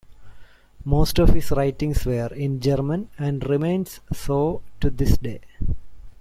Most of his writings were in German and remain so to this day.